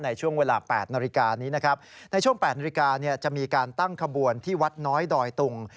ในช่วงเวลา๘นาฬิกานี้นะครับในช่วง๘นาฬิกาจะมีการตั้งขบวนที่วัดน้อยดอยตุง